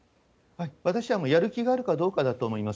私はもうやる気があるかどうかだと思います。